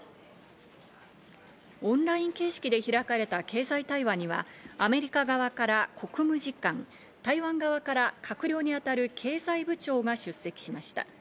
オンライン形式で開かれた経済対話にはアメリカ側から国務次官、台湾側から閣僚にあたる経済部長が出席しました。